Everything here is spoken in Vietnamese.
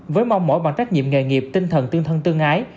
với mong mỏi bằng trách nhiệm nghề nghiệp tinh thần tương thân tương ái